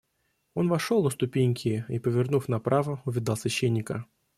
Он вошел на ступеньки и, повернув направо, увидал священника.